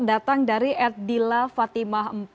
datang dari erdila fatimah empat